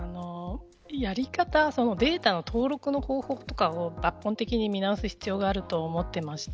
データの登録の方法とかを抜本的に見直す方法があると思っていて